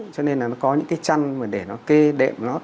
cho nên là nó có những cái chăn để nó kê đệm nó